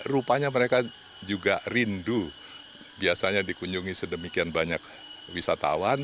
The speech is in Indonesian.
rupanya mereka juga rindu biasanya dikunjungi sedemikian banyak wisatawan